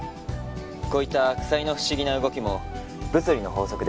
こういった鎖の不思議な動きも物理の法則で説明が可能です。